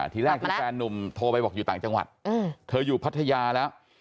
ทีแรกที่แฟนนุ่มโทรไปบอกอยู่ต่างจังหวัดเธออยู่พัทยาแล้ว